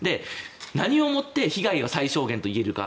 何を持って被害を最小限と言えるか。